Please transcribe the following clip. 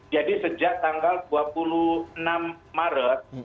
sejak tanggal dua puluh enam maret